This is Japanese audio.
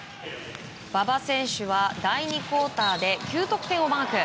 馬場選手は第２クオーターで９得点をマーク。